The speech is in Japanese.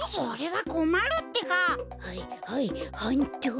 はいはいはんっと。